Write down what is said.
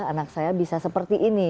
anak saya bisa seperti ini